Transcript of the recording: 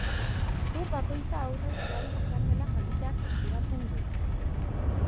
Zur bakoitza aurrez zuhaitz izan dela jakiteak inspiratzen du.